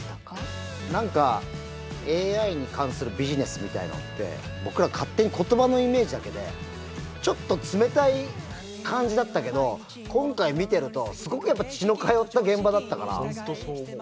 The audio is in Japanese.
何かＡＩに関するビジネスみたいのって僕ら勝手に言葉のイメージだけでちょっと冷たい感じだったけど今回見てるとすごくやっぱほんとそう思う。